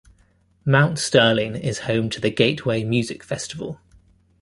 Mount Sterling is home to the Gateway Music Festival.